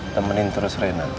temenin terus rena